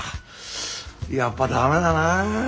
やっぱ駄目だな。